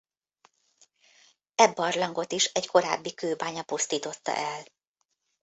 E barlangot is egy korábbi kőbánya pusztította el.